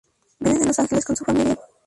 Vive en Los Ángeles con su familia.